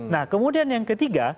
nah kemudian yang ketiga